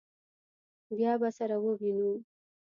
بیا به سره ووینو.